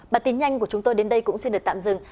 bản tin nhanh của chúng tôi đến đây cũng xin được tạm dừng